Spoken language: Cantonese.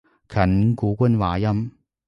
近古官話音